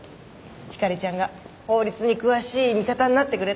ひかりちゃんが法律に詳しい味方になってくれたら心強いよ。